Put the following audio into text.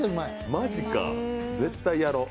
マジか、絶対やろう。